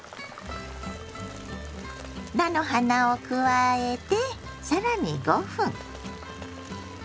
菜の花を加えて更に５分。